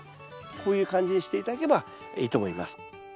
こういう感じにして頂ければいいと思います。